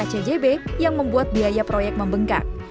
dan kcjb yang membuat biaya proyek membengkak